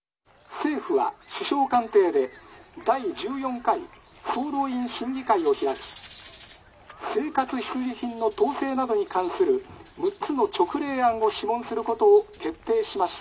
「政府は首相官邸で第１４回総動員審議会を開き生活必需品の統制などに関する６つの勅令案を諮問することを決定しました」。